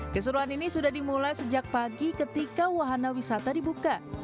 keseruan ini sudah dimulai sejak pagi ketika wahana wisata dibuka